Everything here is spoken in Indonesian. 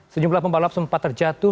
sejumlah pembalap sempat terjatuh